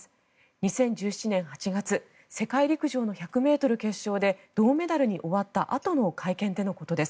２０１７年８月世界陸上の１００ｍ決勝で銅メダルに終わったあとの会見でのことです。